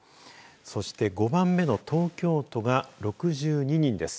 そして、５番目の東京都は６２人です。